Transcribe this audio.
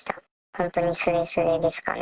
本当にすれすれですかね。